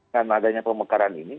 dan adanya pemekaran ini